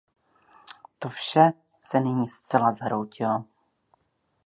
To vše se nyní zcela zhroutilo.